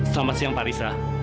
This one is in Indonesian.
selamat siang pak risa